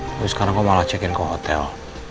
terus sekarang kamu malah cek in ke hotel